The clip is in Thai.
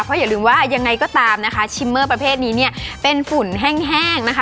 เพราะอย่าลืมว่ายังไงก็ตามนะคะชิมเมอร์ประเภทนี้เนี่ยเป็นฝุ่นแห้งนะคะ